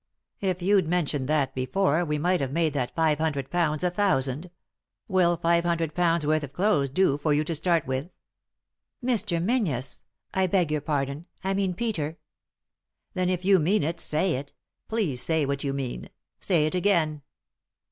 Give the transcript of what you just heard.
" If you'd mentioned that before we might have made that five hundred pounds a thousand ; will five hundred pounds' worth of clothes do for you to start with?" " Mr. Menzies 1 I beg your pardon I I mean Peter." "Then if you mean it, say it. Please say what you mean. Say it again."